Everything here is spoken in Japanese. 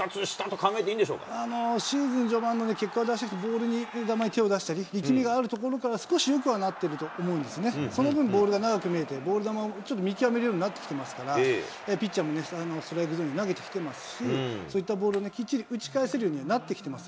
どうでしょう、復活したと考えてシーズン序盤の結果を出せず、ボール球に手を出したり、力みがあるところから少しよくはなっていると思うんですよね、その分、ボールが長く見えて、ボール球をちょっと見極めるようになってきてますから、ピッチャーもストライクゾーンに投げてきてますし、そういったボールもきっちり打ち返せるようにはなってきてます。